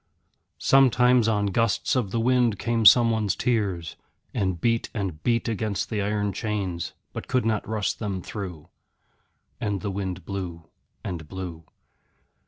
Sometimes on gusts of the wind came someone's tears, and beat and beat against the iron chains, but could not rust them through. And the wind blew and blew.